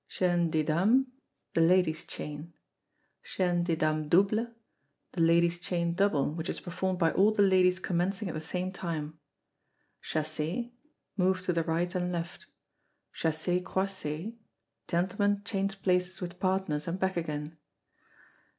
Chaine des Dames. The ladies' chain. Chaine des Dames double. The ladies' chain double, which is performed by all the ladies commencing at the same time. Chassez. Move to the right and left. Chassez croisez. Gentlemen change places with partners, and back again.